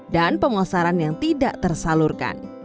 dan pengusaran yang tidak tersalurkan